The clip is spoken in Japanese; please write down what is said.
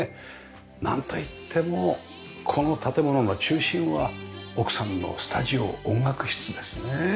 なんといってもこの建物の中心は奥さんのスタジオ音楽室ですね。